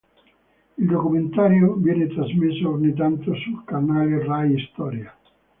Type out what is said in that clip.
Il documentario viene trasmesso ogni tanto sul canale Rai Storia.